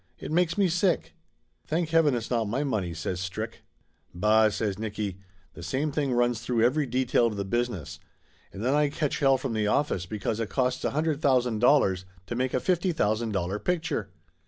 It makes me sick !" "Thank heaven it's not my money !" says Strick. "Bah !" says Nicky. "The same thing runs through every detail of the business. And then I catch hell from Laughter Limited 173 the office because it costs a hundred thousand dollars to make a fifty thousand dollar picture!